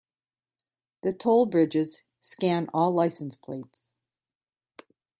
The toll bridges scan all license plates.